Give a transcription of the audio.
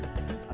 hai hari ayat